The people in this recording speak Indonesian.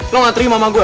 lo gak terima sama gue ya